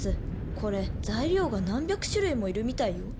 これ材料が何百種類も要るみたいよ。